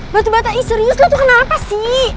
batu bata eh serius lo tuh kenapa sih